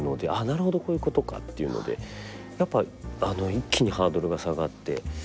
なるほどこういうことかというのでやっぱり一気にハードルが下がって。